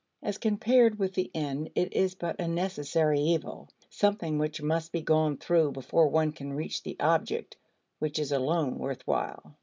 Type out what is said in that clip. As compared with the end it is but a necessary evil; something which must be gone through before one can reach the object which is alone worth while.